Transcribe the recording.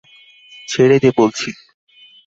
ছেড়ে দে বলছি!